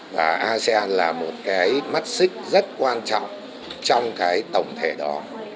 và asean là một cái mắt xích rất quan trọng trong cái tổng thể đó